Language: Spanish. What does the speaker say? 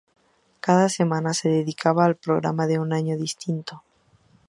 Cada semana se dedicaba el programa a un año distinto.